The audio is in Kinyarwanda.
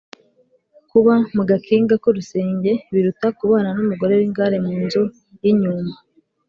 kuba mu gakinga k’urusenge, biruta kubana n’umugore w’ingare mu nzu y’inyumba